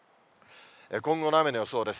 今後の雨の予想です。